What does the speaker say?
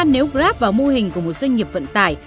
nếu grab vào mô hình của một doanh nghiệp vận tải